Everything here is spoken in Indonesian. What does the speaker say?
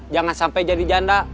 jangan sampai jadi janda